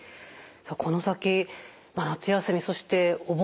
この先夏休みそしてお盆。